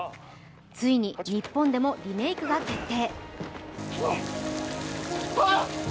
ついに日本でもリメークが決定。